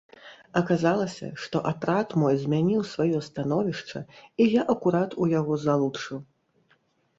Аказалася, што атрад мой змяніў сваё становішча і я акурат у яго залучыў.